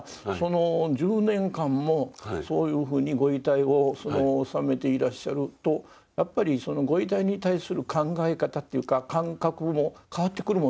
１０年間もそういうふうにご遺体を納めていらっしゃるとやっぱりご遺体に対する考え方というか感覚も変わってくるもんですか。